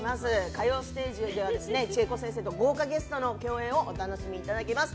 歌謡ステージでは千重子先生と豪華ゲストの共演をお楽しみいただけます。